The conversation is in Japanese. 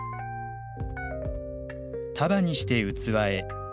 束にして器へ。